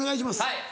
はい。